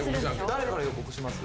誰から予告します？